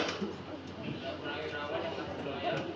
sudah terpahamkan dengan pacaran